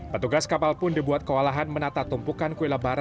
petugas kapal pun dibuat kewalahan menata tumpukan kue lebaran